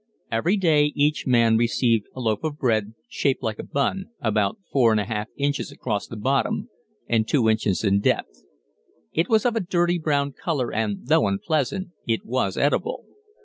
Every day each man received a loaf of bread, shaped like a bun, about 4 1/2 inches across the bottom and 2 inches in depth. It was of a dirty brown color and, though unpleasant, it was eatable.